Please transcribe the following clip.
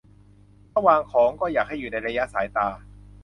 - ถ้าวางของ ก็อยากให้อยู่ในระยะสายตา